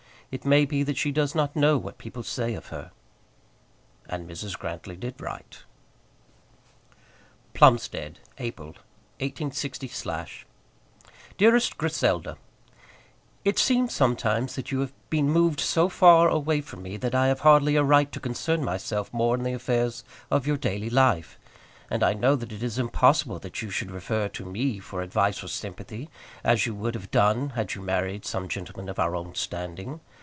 It may be that she does not know what people say of her." And Mrs. Grantly did write. Plumstead, April, 186 . DEAREST GRISELDA, It seems sometimes that you have been moved so far away from me that I have hardly a right to concern myself more in the affairs of your daily life, and I know that it is impossible that you should refer to me for advice or sympathy, as you would have done had you married some gentleman of our own standing.